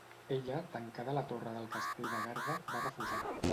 Ella, tancada a la torre del castell de Garda, va refusar.